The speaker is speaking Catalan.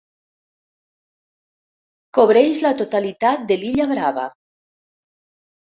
Cobreix la totalitat de l'illa Brava.